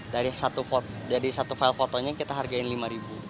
dari satu file fotonya kita hargai rp lima